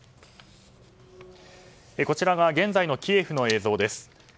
こちらが現在のキエフの映像です。